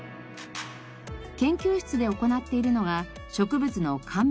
研究室で行っているのが植物の鑑別試験です。